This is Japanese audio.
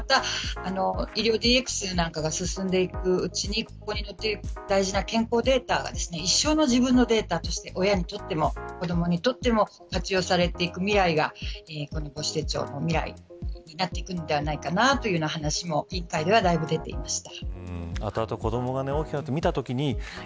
医療ＤＸなんかが進んでいくと大事な健康データが一生の自分のデータとして親にとっても子どもにとっても活用されていく未来がこの母子手帳の未来になっていくのではないかなというような話も委員会ではだいぶ出ていました。